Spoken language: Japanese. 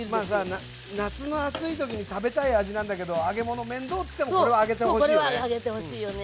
夏の暑い時に食べたい味なんだけど揚げ物面倒っていってもこれは揚げてほしいよね。